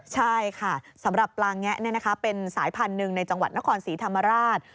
ใช่ค่ะสำหรับปลาแงะเป็นสายพันธุ์หนึ่งในจังหวัดนครศรีธรรมราช